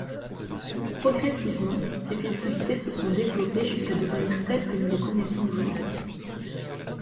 Progressivement, ces festivités se sont développées jusqu’à devenir telles que nous les connaissons aujourd’hui.